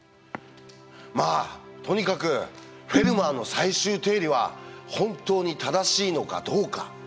まあとにかく「フェルマーの最終定理」は本当に正しいのかどうか？